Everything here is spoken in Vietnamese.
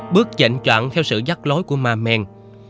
bước dệnh choạng theo sự dắt lối của ma men